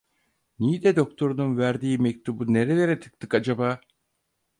Niğde doktorunun verdiği mektubu nerelere tıktık acaba?